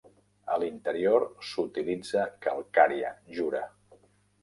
A l"interior s"utilitza calcària Jura.